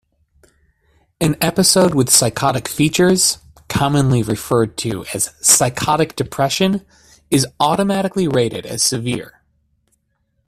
An episode with psychotic features-commonly referred to as "psychotic depression"-is automatically rated as severe.